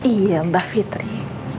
iya mbak fitri